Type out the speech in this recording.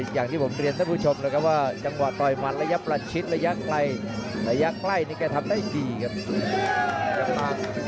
อย่างที่ผมเรียนท่านผู้ชมแล้วครับว่าจังหวะต่อยมันระยะประชิดระยะไกลระยะใกล้นี่แกทำได้ดีครับ